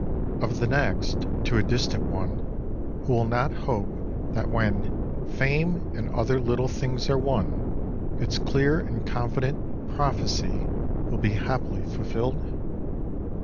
Of the next, " To a Distant One," who will not hope that when, " Fame and other little things are won " its clear and confident proph ecy will be happily fulfilled?